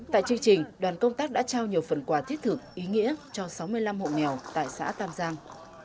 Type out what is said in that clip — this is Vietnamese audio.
tại chương trình đoàn công tác đã trao nhiều phần quà thiết thực ý nghĩa cho sáu mươi năm hộ nghèo tại xã tam giang